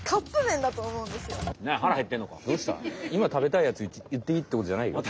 今食べたいやつ言っていいってことじゃないよ。